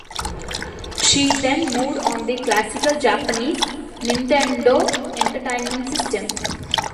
She then moved on to the classic Japanese Nintendo Entertainment System.